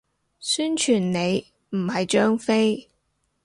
宣傳你，唔係張飛